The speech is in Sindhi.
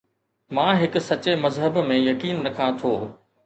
مان هڪ سچي مذهب ۾ يقين رکان ٿو